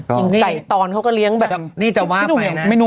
ไก่ตอนเขาก็เลี้ยงแบบนี้เจ้ามากไปนะ